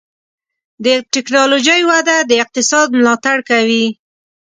د ټکنالوجۍ وده د اقتصاد ملاتړ کوي.